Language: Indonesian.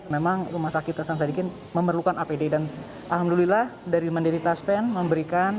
memang rumah sakit hasan sadikin memerlukan apd dan alhamdulillah dari mandiri taspen memberikan